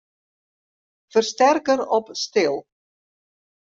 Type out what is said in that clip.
Fersterker op stil.